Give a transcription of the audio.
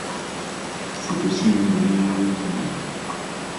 C'est aussi l'une des meilleures joueuses du monde.